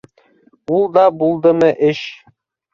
Ул да булдымы эш!